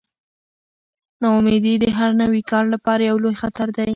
ناامیدي د هر نوي کار لپاره یو لوی خطر دی.